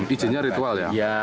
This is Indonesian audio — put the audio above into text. ijennya ritual ya